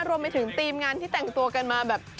รวมไปถึงทีมงานที่แต่งตัวกันมาแบบ